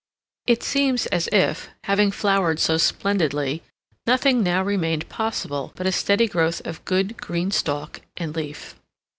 It seems as if, having flowered so splendidly, nothing now remained possible but a steady growth of good, green stalk and leaf.